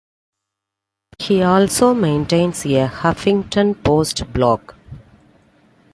He also maintains a "Huffington Post" blog.